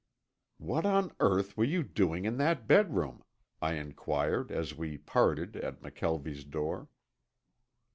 "What on earth were you doing in that bedroom?" I inquired as we parted at McKelvie's door.